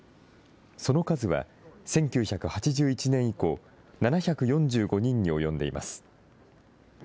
その数は１９８１年以降、７４５人に及んでいます。